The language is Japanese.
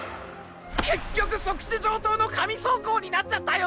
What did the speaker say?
結局即死上等の紙装甲になっちゃったよ！